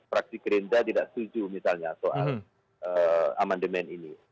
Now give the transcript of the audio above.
fraksi gerinda tidak setuju misalnya soal amendement ini